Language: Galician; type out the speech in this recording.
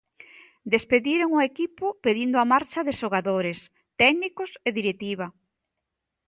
Despediron o equipo pedindo a marcha de xogadores, técnicos e directiva.